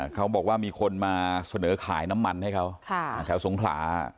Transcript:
เขาบอกว่ามีคนมาเสนอขายน้ำมันให้เขาแถวสงขลา